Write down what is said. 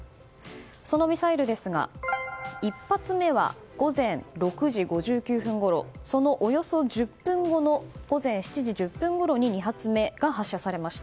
そのミサイルですが１発目は午前６時５９分ごろそのおよそ１０分後の午前７時１０分ごろに２発目が発射されました。